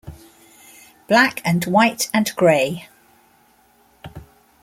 "Black and White and Grey".